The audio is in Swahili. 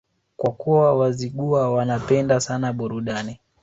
Kwa kuwa Wazigua wanapenda sana burudani